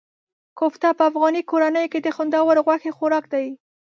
کوفته په افغاني کورنیو کې د خوندورو غوښې خوراک دی.